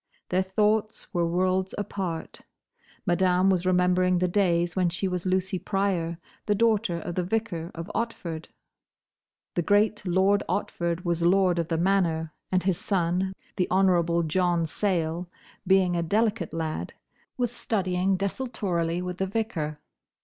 Their thoughts were worlds apart. Madame was remembering the days when she was Lucy Pryor, the daughter of the vicar of Otford. The great Lord Otford was Lord of the Manor, and his son, the Honourable John Sayle, being a delicate lad, was studying desultorily with the Vicar.